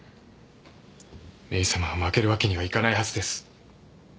メイさまは負けるわけにはいかないはずです。